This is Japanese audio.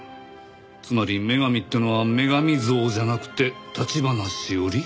つまり女神ってのは女神像じゃなくて橘志織？